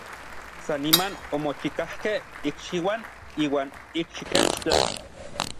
San niman omochikajkej ikxiuan iuan ikxikechtla.